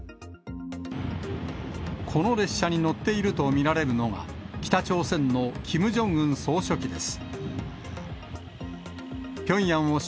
この列車に乗っていると見られるのが、北朝鮮のキム・ジョンウン総書記です。